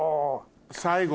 最後。